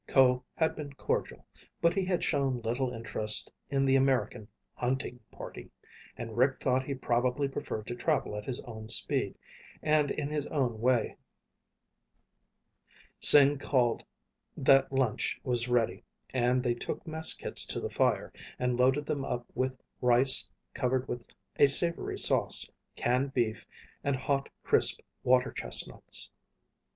Ko had been cordial, but he had shown little interest in the American "hunting" party and Rick thought he probably preferred to travel at his own speed and in his own way. Sing called that lunch was ready and they took mess kits to the fire and loaded them up with rice covered with a savory sauce, canned beef, and hot, crisp water chestnuts.